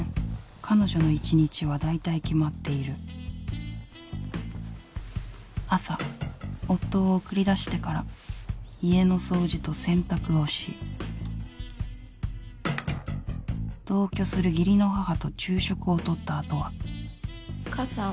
彼女の１日はだいたい決まっている朝夫を送り出してから家の掃除と洗濯をし同居する義理の母と昼食をとった後はお義母さん